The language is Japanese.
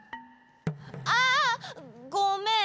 あ！ごめん！